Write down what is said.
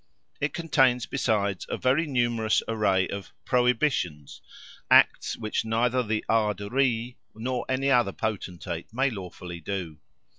It contains, besides, a very numerous array of "prohibitions"—acts which neither the Ard Righ nor any other Potentate may lawfully do.